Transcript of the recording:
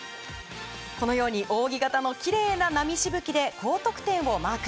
扇形のきれいな波しぶきで高得点をマーク。